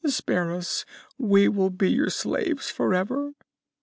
Spare us, and we will be your slaves forever!"